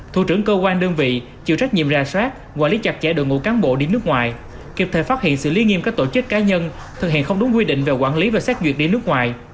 thủ trưởng cơ quan đơn vị chịu trách nhiệm ra soát quản lý chặt chẽ đội ngũ cán bộ đi nước ngoài kịp thời phát hiện xử lý nghiêm các tổ chức cá nhân thực hiện không đúng quy định về quản lý và xét duyệt đi nước ngoài